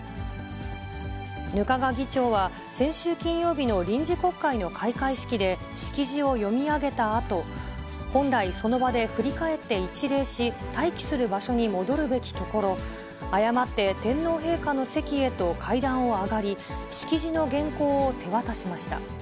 額賀議長は、先週金曜日の臨時国会の開会式で式辞を読み上げたあと、本来、その場で振り返って一礼し、待機する場所に戻るべきところ、誤って天皇陛下の席へと階段を上がり、式辞の原稿を手渡しました。